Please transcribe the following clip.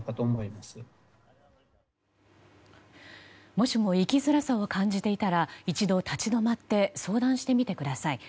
もしも生きづらさを感じていたら一度立ち止まって相談してみてください。